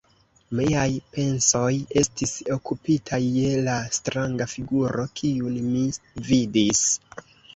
Miaj pensoj estis okupitaj je la stranga figuro, kiun mi vidis.